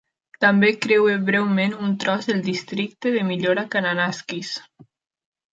També creua breument un tros del Districte de Millora Kananaskis.